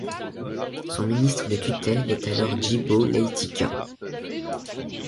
Son ministre de tutelle est alors Djibo Leyti Kâ.